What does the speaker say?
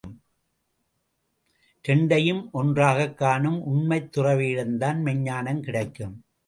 இரண்டையும் ஒன்றாகக் காணும் உண்மைத் துறவியிடம் தான் மெய்ஞ்ஞானமும் கிடைக்கும்.